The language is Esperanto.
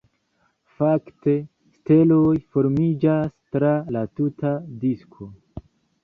Fakte, steloj formiĝas tra la tuta disko.